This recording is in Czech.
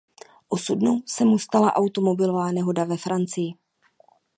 Osudnou se mu stala automobilová nehoda ve Francii.